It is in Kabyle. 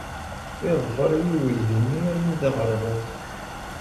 Yeḍfer-iyi uydi-nni armi d aɣerbaz.